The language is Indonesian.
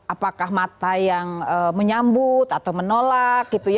apakah mata yang menyambut atau menolak